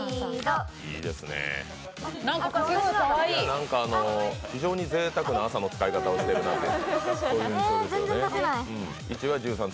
なんか、非常にぜいたくな朝の使い方をしてるなと。